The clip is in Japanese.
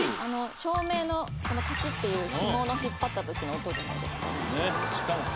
照明のカチッていう紐を引っ張った時の音じゃないですか？